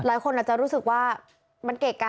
หลายคนอาจจะรู้สึกว่ามันเกะกะ